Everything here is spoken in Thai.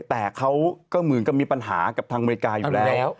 แต่เมืองเขามีปัญหากับทางอเมริกาอยู่แล้ว